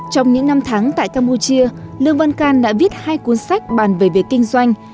trong những năm tháng tại campuchia lương văn can đã viết hai cuốn sách bàn về việc kinh doanh